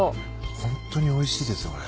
ホントにおいしいですよこれ。